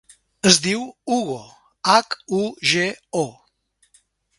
Es diu Hugo: hac, u, ge, o.